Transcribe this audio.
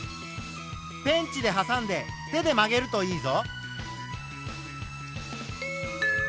ペンチではさんで手で曲げるといいぞ。